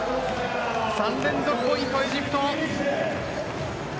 ３連続ポイントのエジプト。